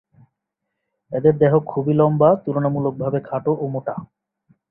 এদের দেহ খুবই লম্বা, তুলনামূলক ভাবে খাটো ও মোটা।